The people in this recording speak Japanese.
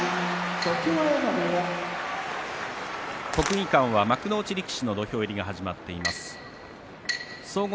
常盤山部屋国技館は幕内力士の土俵入りが始まっています。